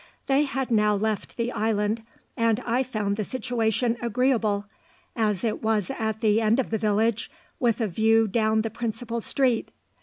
They had now left the island, and I found the situation agreeable, as it was at the end of the village, with a view down the principal street.